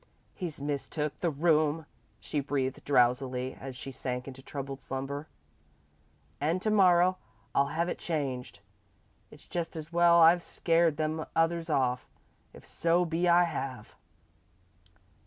"He's mistook the room," she breathed, drowsily, as she sank into troubled slumber, "an' to morrer I'll have it changed. It's just as well I've scared them others off, if so be I have."